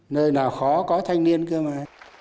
nơi nào khó có thanh niên cơ mà